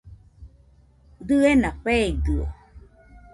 Dɨena feidɨo